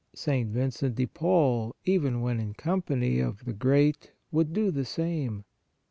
St. Vincent de Paul, even when in company of the great, would do the same.